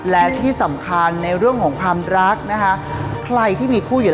และที่สำคัญในเรื่องของความรักนะคะใครที่มีคู่อยู่แล้ว